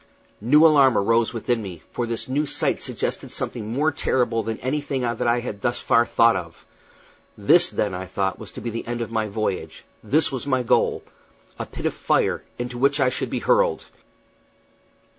New alarm arose within me, for this new sight suggested something more terrible than anything that I had thus far thought of. This, then, I thought, was to be the end of my voyage; this was my goal a pit of fire, into which I should be hurled!